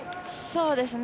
そうですね。